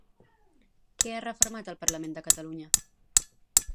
Què ha refermat el Parlament de Catalunya?